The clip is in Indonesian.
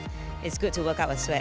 tapi bagus untuk melatih koordinasi tubuh